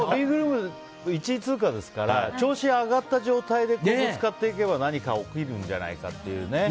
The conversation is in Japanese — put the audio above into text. Ｂグループは１位通過ですから調子上がった状態でぶつかっていけば何か起きるんじゃないかという。